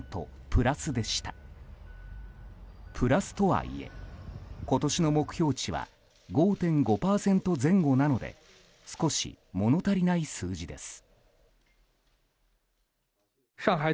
プラスとはいえ今年の目標値は５．５％前後なので少し物足りない数字です。